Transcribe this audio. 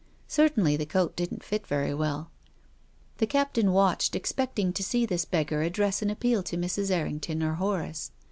Certainly the coat didn't fit very well. The Captain watched, expecting to see this beggar address an appeal to Mrs. Erring ton or Horace.